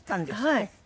はい。